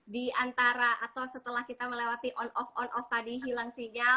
di antara atau setelah kita melewati on off on off tadi hilang sinyal